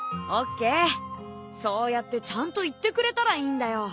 そうやってちゃんと言ってくれたらいいんだよ。